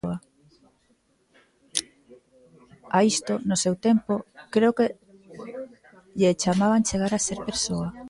A isto, no seu tempo, creo que lle chamaban chegar a ser persoa.